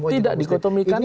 tidak dikotomikan pun